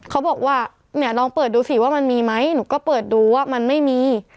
เขาบอกว่าเนี่ยลองเปิดดูสิว่ามันมีไหมหนูก็เปิดดูว่ามันไม่มี